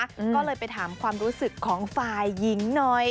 ก็เลยไปถามความรู้สึกของฝ่ายหญิงหน่อย